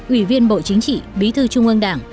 ủy viên bộ chính trị bí thư trung ương đảng